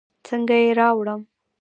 څنګه يې راوړم.